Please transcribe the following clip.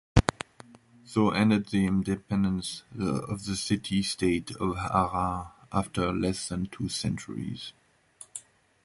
So ended the independence of the city-state of Harar after less than two centuries.